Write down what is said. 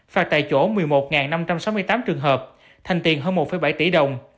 phạt tại chỗ một mươi một năm trăm sáu mươi tám trường hợp thành tiền hơn một bảy tỷ đồng